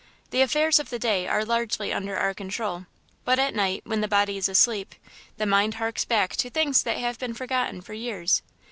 The affairs of the day are largely under our control, but at night, when the body is asleep, the mind harks back to things that have been forgotten for years.